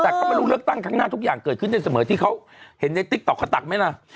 แต่มันตั้งข้างหน้าทุกอย่างเกิดขึ้นได้เสมอที่เขาเห็นในไม่ละ